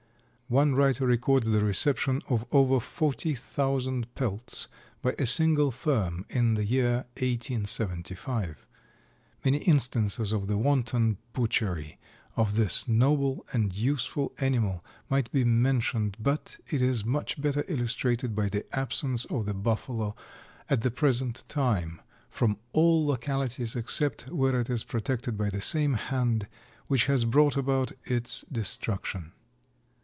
One writer records the reception of over forty thousand pelts by a single firm in the year 1875. Many instances of the wanton butchery of this noble and useful animal might be mentioned, but it is much better illustrated by the absence of the Buffalo at the present time, from all localities, except where it is protected by the same hand which has brought about its destruction.